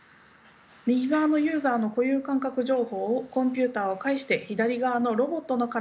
右側のユーザーの固有感覚情報をコンピューターを介して左側のロボットの体に伝えています。